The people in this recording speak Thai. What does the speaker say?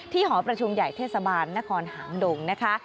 หอประชุมใหญ่เทศบาลนครหางดงนะคะ